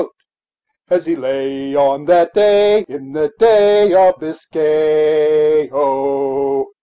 "As she lay, on that day, in the Bay of Biscay, O!"